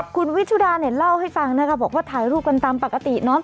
คุณวิชุดาเนี่ยเล่าให้ฟังนะคะบอกว่าถ่ายรูปกันตามปกติเนาะ